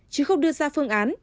chứ không đưa ra phương án